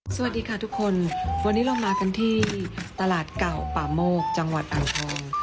สวัสดีค่ะทุกคนวันนี้เรามากันที่ตลาดเก่าป่าโมกจังหวัดอ่างทอง